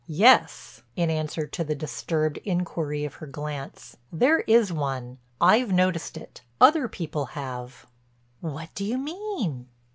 Yes," in answer to the disturbed inquiry of her glance, "there is one. I've noticed it; other people have." "What do you mean?"